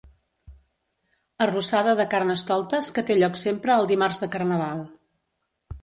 Arrossada de carnestoltes, que té lloc sempre el dimarts de carnaval.